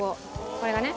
これがね。